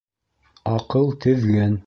Аҡыл теҙген